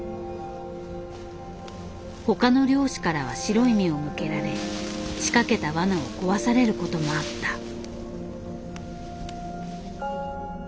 他の猟師からは白い目を向けられ仕掛けたわなを壊されることもあった。